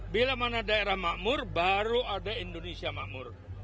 bila mana daerah makmur baru ada indonesia makmur